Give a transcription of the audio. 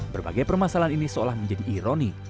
berbagai permasalahan ini seolah menjadi ironi